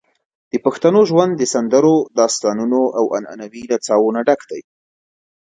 د پښتنو ژوند د سندرو، داستانونو، او عنعنوي نڅاوو نه ډک دی.